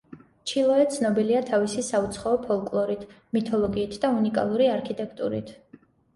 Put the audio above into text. ჩილოე ცნობილია თავისი საუცხოო ფოლკლორით, მითოლოგიით და უნიკალური არქიტექტურით.